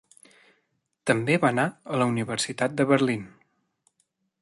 També va anar a la Universitat de Berlín.